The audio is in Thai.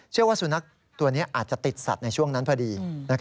ว่าสุนัขตัวนี้อาจจะติดสัตว์ในช่วงนั้นพอดี